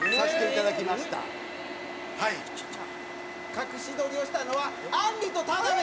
隠し撮りをしたのはあんりと田辺さん！